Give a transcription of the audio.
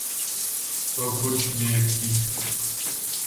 تو کچھ نیب کی۔